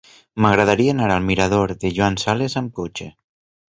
M'agradaria anar al mirador de Joan Sales amb cotxe.